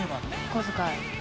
小遣い。